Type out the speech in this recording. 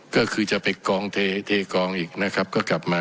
ก็คือจะไปกองเทกองอีกนะครับก็กลับมา